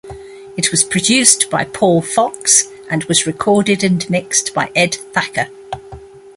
It was produced by Paul Fox, and was recorded and mixed by Ed Thacker.